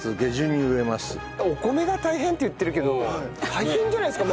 お米が大変って言ってるけど大変じゃないですか？